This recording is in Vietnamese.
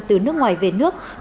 từ nước ngoài về nước để phát triển